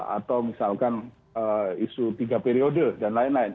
atau misalkan isu tiga periode dan lain lain